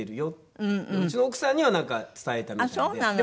うちの奥さんにはなんか伝えたみたいで。